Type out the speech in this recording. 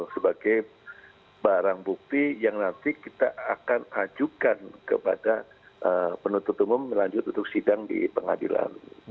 sebagai barang bukti yang nanti kita akan ajukan kepada penuntut umum lanjut untuk sidang di pengadilan